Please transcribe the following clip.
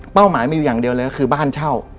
หมายมีอยู่อย่างเดียวเลยก็คือบ้านเช่า